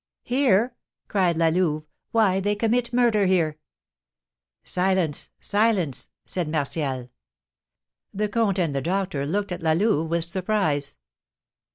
"Here?" cried La Louve; "why, they commit murder here!" "Silence silence!" said Martial. The comte and the doctor looked at La Louve with surprise.